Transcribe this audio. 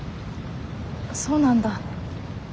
そうなんだ。